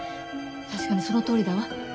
確かにそのとおりだわ。